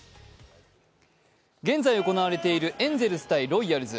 現在行われているエンゼルス×ロイヤルズ。